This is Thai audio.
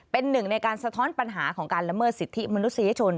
เป็นหนึ่งในการสะท้อนปัญหาของการละเมิดสิทธิมนุษยชน